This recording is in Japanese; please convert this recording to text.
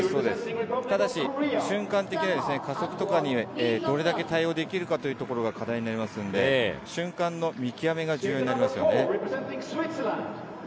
ただし瞬間的な加速とかにどれだけ対応できるかというところが課題になりますんで、瞬間の見極めが重要になりますよね。